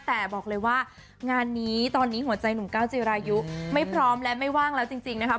แต่บอกเลยว่างานนี้ตอนนี้หัวใจหนุ่มก้าวจิรายุไม่พร้อมและไม่ว่างแล้วจริงนะครับ